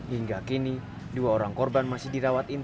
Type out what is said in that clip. hingga kini dua orang korban masih dirawat inap